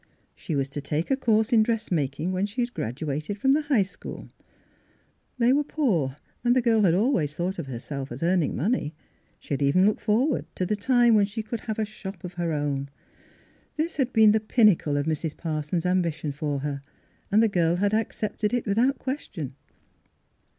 She was to take a course in dress making when she had graduated from the high school. They were poor, and the girl had always thought of herself as earning money. She had even looked forward to the time when she should have a shop of her own. This had been the pinnacle of Mrs. Parson's am bition for her, and the girl had accepted it without question.